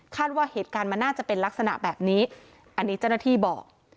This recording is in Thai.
ว่าเหตุการณ์มันน่าจะเป็นลักษณะแบบนี้อันนี้เจ้าหน้าที่บอก